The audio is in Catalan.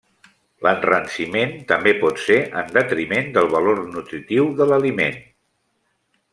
L'enranciment també pot ser en detriment del valor nutritiu de l'aliment.